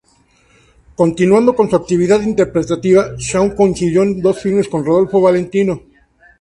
Continuando con su actividad interpretativa, Shaw coincidió en dos filmes con Rodolfo Valentino.